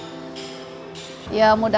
sebagai bekal untuk mengarungi kehidupan